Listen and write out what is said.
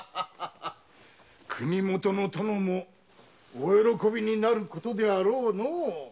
国許の殿もお喜びになることであろうのう。